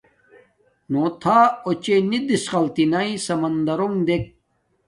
نݸ تھݳ اَچ نݵ دِݽقَلتِنݺ سَمَندَرݸݣ دݵک.